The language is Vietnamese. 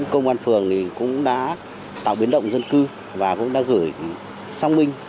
công an phường cũng đã tạo biến động dân cư và cũng đã gửi sang minh